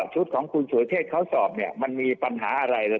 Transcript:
ชุดของคุณสวยเทศเขาสอบมันมีปัญหาอะไร